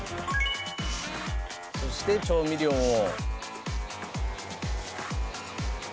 そして調味料を。